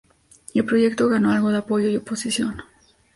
El proyecto ganó algo de apoyo y oposición.